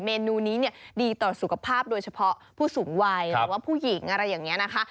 เมนูนี้เนี่ยดีต่อสุขภาพโดยเฉพาะผู้สูงวัยหรือว่าผู้หญิงอะไรอย่างนี้นะคะ